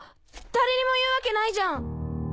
誰にも言うわけないじゃん！